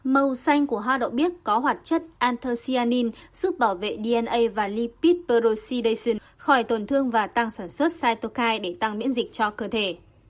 màu xanh của hoa đậu biếc có hoạt chất antersyanin giúp bảo vệ dna và lipid perocydation khỏi tổn thương và tăng sản xuất sitoky để tăng miễn dịch cho cơ thể